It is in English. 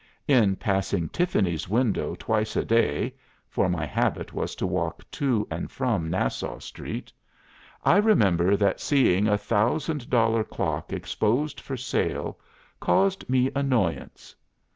In passing Tiffany's window twice each day (for my habit was to walk to and from Nassau Street) I remember that seeing a thousand dollar clock exposed for sale caused me annoyance.